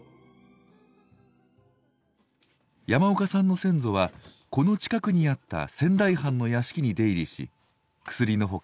山岡さんの先祖はこの近くにあった仙台藩の屋敷に出入りし薬の他